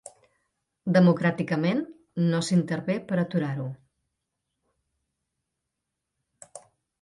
Democràticament, no s'hi intervé per aturar-ho.